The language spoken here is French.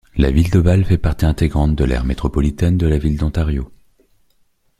La ville de Vale fait partie intégrante de l'aire métropolitaine de la ville d'Ontario.